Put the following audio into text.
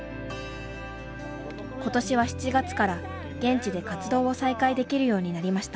ことしは７月から現地で活動を再開できるようになりました。